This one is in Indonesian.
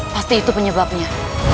pasti itu penyebabnya